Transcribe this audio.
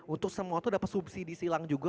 untuk semua itu dapat subsidi silang juga